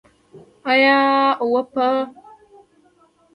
آیا او په خپلو خلکو نه ده؟